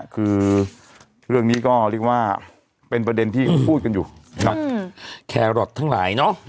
คือเรื่องนี้ก็เรียกว่าเป็นประเด็นที่พูดกันอยู่นะแครอททั้งหลายเนอะ